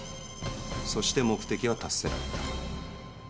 そして目的は達せられた。